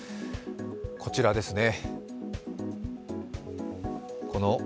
こちらですね。